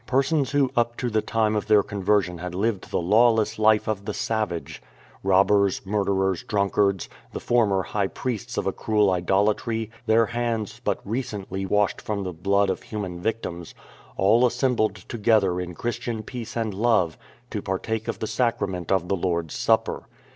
Persons who up to the time of their conversion had lived the lawless life of the savage — robbers, murderers, drunkards, the former high priests of a cruel idolatry, " their hands but recently washed from the blood of human victims' — all assembled together in Christian peace and love to partake of the sacrament of the Lord's Supper.